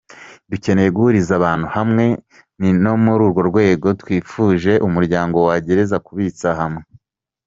Dukeneye guhuriza abantu hamwe ,ni muri urwo rwego twifuje ko umuryango wagerageza kubitsa hamwe.